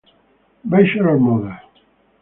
Bachelor Mother